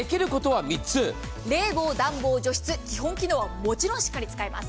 冷房、暖房、除湿、基本機能はもちろんしっかり使えます。